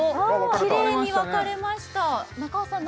きれいに分かれました中尾さん